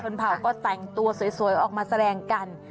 เผ่าก็แต่งตัวสวยออกมาแสดงกัน